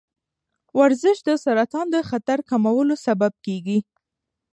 ورزش د سرطان د خطر کمولو سبب دی.